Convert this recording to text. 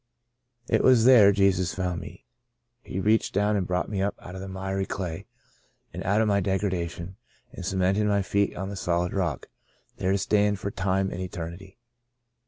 It was there Jesus found me. He reached down and brought me up out of the miry clay, and out of my degradation, and cemented my feet on the solid rock — there to stand for time and eternity.